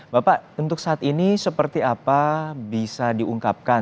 bapak untuk saat ini seperti apa bisa diungkapkan